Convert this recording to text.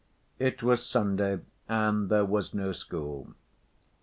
It was Sunday and there was no school.